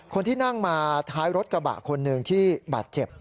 คนที่นั่งมาท้ายรถกระบะคนหนึ่งที่บาดเจ็บ